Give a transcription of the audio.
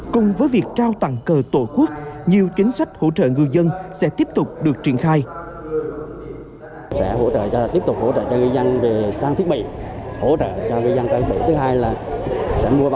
cùng với việc trao tặng cờ tổ quốc ngư dân trương minh hoàng là một trong số lá cờ tổ quốc